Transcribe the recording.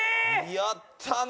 やったね！